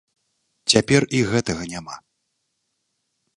Цяпер і гэтага няма.